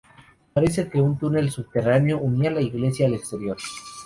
Parece que un túnel subterráneo unía la iglesia al exterior.